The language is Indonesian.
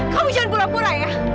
kamu jangan pura pura ya